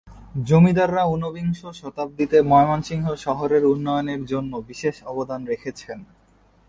জমিদাররা ঊনবিংশ শতাব্দীতে ময়মনসিংহ শহরের উন্নয়নের জন্য বিশেষ অবদান রেখেছেন।